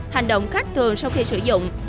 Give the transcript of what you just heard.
hành động khách thường sau khi sử dụng